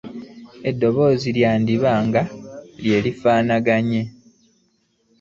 Eddoboozi lyandiba nga lye lifaananganye.